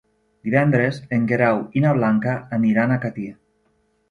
Divendres en Guerau i na Blanca aniran a Catí.